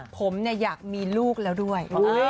ผมอยากมีลูกแล้วด้วย